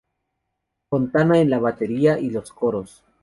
Fontana en la batería y los coros.